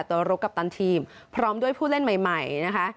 ตัวลุกกัปตันทีมพร้อมด้วยผู้เล่นใหม่นะคะ